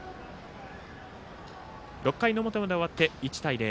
６回の表まで終わって１対０。